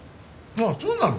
あっそうなの？